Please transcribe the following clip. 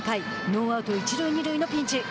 ノーアウト、一塁二塁のピンチ。